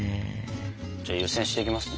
じゃあ湯煎していきますね。